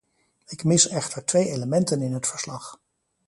Ik mis echter twee elementen in het verslag.